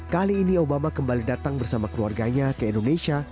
kali ini obama kembali datang bersama keluarganya ke indonesia